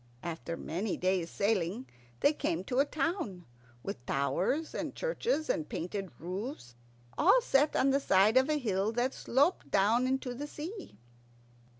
And after many days' sailing they came to a town, with towers and churches and painted roofs, all set on the side of a hill that sloped down into the sea.